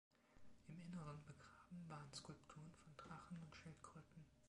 Im Inneren begraben waren Skulpturen von Drachen und Schildkröten.